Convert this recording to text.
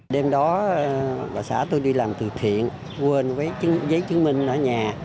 đêm đó bà xã tôi đi làm thử thiện quên với giấy chứng minh ở nhà